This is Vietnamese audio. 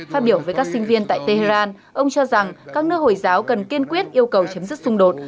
phát biểu với các sinh viên tại tehran ông cho rằng các nước hồi giáo cần kiên quyết yêu cầu chấm dứt xung đột